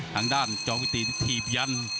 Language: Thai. ทางด้านจอมกระถิ่งตีทีพยัน